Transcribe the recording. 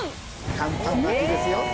簡単な字ですよ。